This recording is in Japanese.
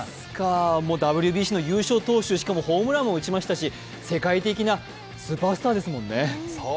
ＷＢＣの優勝投手、しかもホームランを打ちましたし世界的なスーパースターですもんね。